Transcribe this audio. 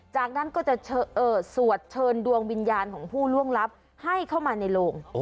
จากนั้นก็จะสวดเชิญดวงวิญญาณของผู้ล่วงลับให้เข้ามาในโรง